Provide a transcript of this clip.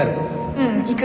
ううん行く。